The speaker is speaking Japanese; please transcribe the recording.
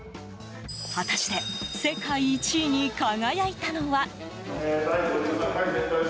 果たして世界１位に輝いたのは？